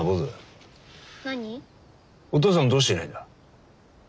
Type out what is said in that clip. お父さんどうしていないんだ？